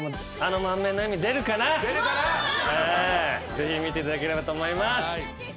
ぜひ見ていただければと思います。